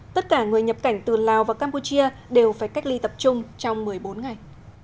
tất cả người nhập cảnh từ lào và campuchia đều phải cách ly tập trung trong một mươi bốn ngày